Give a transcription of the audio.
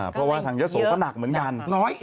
เพราะว่าทางยะโสก็หนักเหมือนกัน